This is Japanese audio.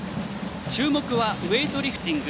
注目はウエイトリフティング。